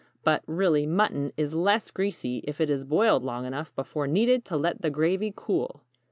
But, really, mutton is less greasy if it is boiled long enough before needed to let the gravy cool.